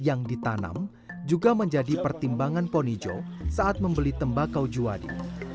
yang ditanam juga menjadi pertimbangan ponijo saat membeli tembakau juwadi